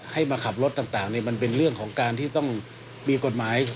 ให้มาขับรถต่างมันเป็นเรื่องของการที่ต้องมีกฎหมาย